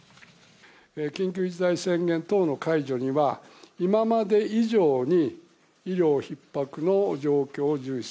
緊急事態宣言等の解除には、今まで以上に医療ひっ迫の状況を重視。